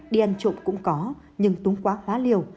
đi ăn trộm cũng có nhưng túng quá liều